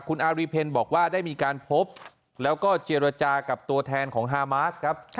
คุณอารีเพลบอกว่าได้มีการพบแล้วก็เจรจากับตัวแทนของฮามาสครับ